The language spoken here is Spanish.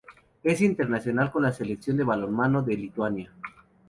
Es internacional con la Selección de balonmano de Lituania.